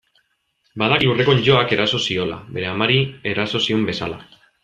Badaki lurreko onddoak eraso ziola, bere amari eraso zion bezala.